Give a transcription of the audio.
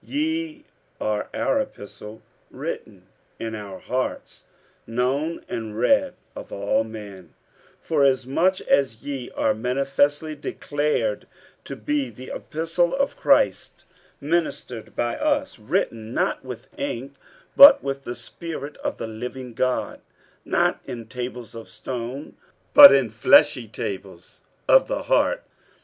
47:003:002 Ye are our epistle written in our hearts, known and read of all men: 47:003:003 Forasmuch as ye are manifestly declared to be the epistle of Christ ministered by us, written not with ink, but with the Spirit of the living God; not in tables of stone, but in fleshy tables of the heart.